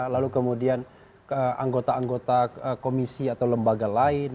lalu kemudian anggota anggota komisi atau lembaga lain